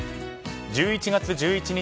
１１月１１日